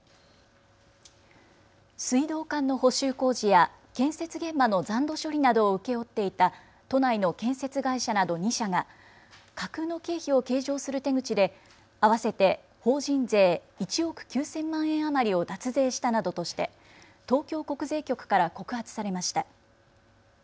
水道管の補修工事や建設現場の残土処理などを請け負っていた都内の建設会社など２社が架空の経費を計上する手口で合わせて法人税１億９０００万円余りを脱税したなどとして東京国税局から告発されました。